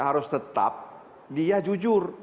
harus tetap dia jujur